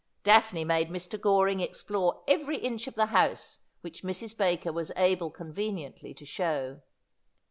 Daphne made Mr. Goring explore every inch of the house which Mrs. Baker was able conveniently to show.